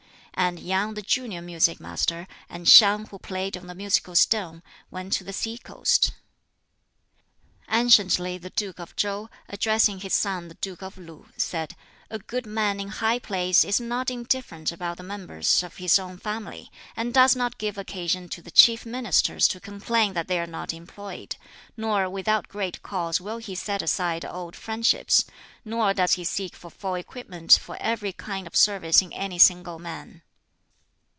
And Yang the junior music master, and Siang who played on the musical stone, went to the sea coast. Anciently the Duke of Chow, addressing his son the Duke of Lu, said, "A good man in high place is not indifferent about the members of his own family, and does not give occasion to the chief ministers to complain that they are not employed; nor without great cause will he set aside old friendships; nor does he seek for full equipment for every kind of service in any single man."